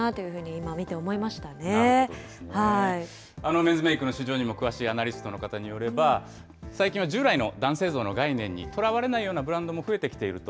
メンズメークの市場にも詳しいアナリストの方によれば、最近は従来の男性像の概念にとらわれないようなブランドも増えてきていると。